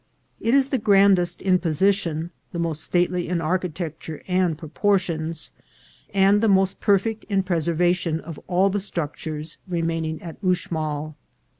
It is the grandest in position, the most stately in architecture and proportions, and the most perfect in preservation of all the struc tures remaining at Uxmal.